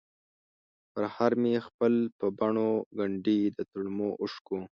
پرهر مې خپل په بڼووګنډی ، دتړمو اوښکو،